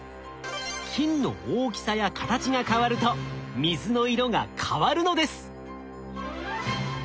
金の大きさや形が変わると水の色が変わるのです。